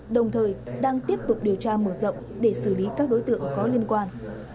đồng thời đang tiếp tục điều tra mở rộng để xử lý các đối tượng có liên quan